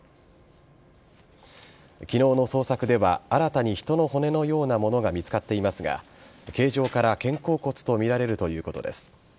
昨日の捜索では新たに人の骨のようなものが見つかっていますが形状から肩甲骨とみられるということです。